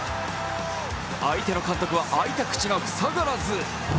相手の監督は開いた口が塞がらず。